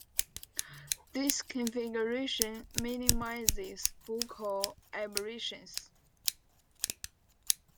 This configuration minimises focal aberrations.